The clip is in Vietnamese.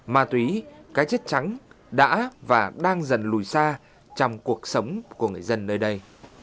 ma túy cá chết trắng đã và đang dần lùi xa trong cuộc sống của người dân nơi đây